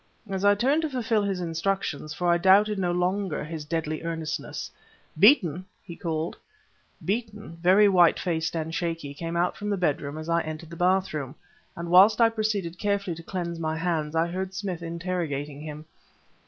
As I turned to fulfill his instructions, for I doubted no longer his deadly earnestness: "Beeton!" he called. Beeton, very white faced and shaky, came out from the bedroom as I entered the bathroom, and whist I proceeded carefully to cleanse my hands I heard Smith interrogating him.